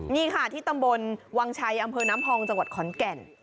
นี่ค่ะที่ตำบลวังชัยอำเภอน้ำพองจังหวัดขอนแก่น